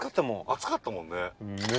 熱かったもんね。